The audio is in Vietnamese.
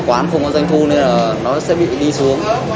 nên quán không có doanh thu nên nó sẽ bị đi xuống